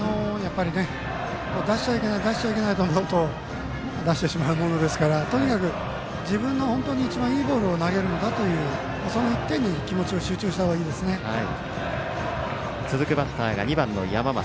出しちゃいけない出しちゃいけないと思うと出してしまうものですからとにかく自分の一番いいボールを投げるんだというその一点に気持ちを続くバッターが２番の山増。